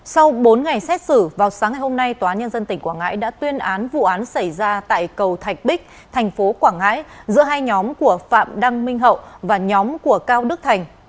sau bốn ngày xét xử vào sáng ngày hôm nay tòa nhân dân tỉnh quảng ngãi đã tuyên án vụ án xảy ra tại cầu thạch bích thành phố quảng ngãi giữa hai nhóm của phạm đăng minh hậu và nhóm của cao đức thành